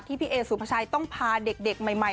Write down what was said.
ที่พี่เอสูงผู้ชายต้องพาเด็กใหม่